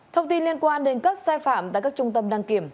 thông tin liên quan đến các sai phạm tại các trung tâm đăng kiểm